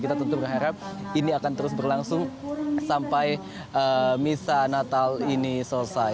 kita tentu berharap ini akan terus berlangsung sampai misa natal ini selesai